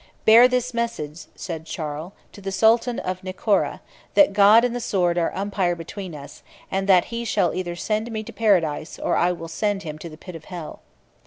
"Bear this message," said Charles, "to the sultan of Nocera, that God and the sword are umpire between us; and that he shall either send me to paradise, or I will send him to the pit of hell."